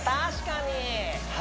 確かに！